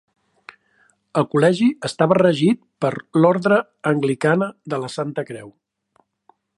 El col·legi estava regit per l'Ordre Anglicana de la Santa Creu.